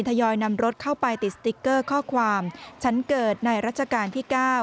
ยอยนำรถเข้าไปติดสติ๊กเกอร์ข้อความฉันเกิดในรัชกาลที่๙